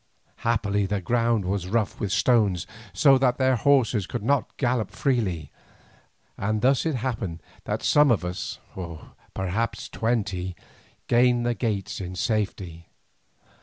Happily the ground was rough with stones so that their horses could not gallop freely, and thus it happened that some of us, perhaps twenty, gained the gates in safety.